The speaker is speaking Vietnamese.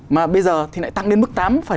mà bây giờ thì lại tăng đến mức